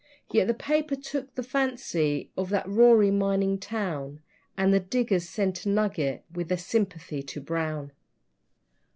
Yet the paper took the fancy of that roaring mining town, And the diggers sent a nugget with their sympathy to Brown.